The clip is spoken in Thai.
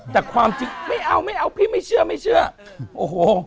แต่ความจริงไม่เอาพี่ไม่เชื่อโอ้โห